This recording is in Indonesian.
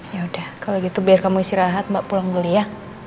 yaudah kalo gitu biar kamu istirahat mba pulang dulu ya